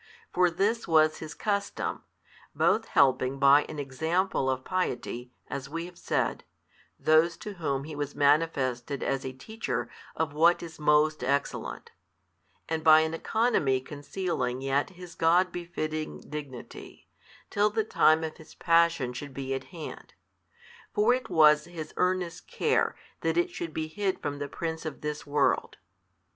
For this was His custom, both helping by an example of piety, as we have said, those to whom He was manifested as a Teacher of what is most excellent, and by an economy concealing yet His God befitting Dignity, till the time of His Passion should be at hand: for it was |328 His earnest care that it should be hid from the prince of this world.